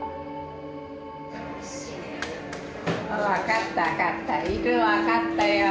分かった分かった分かったよ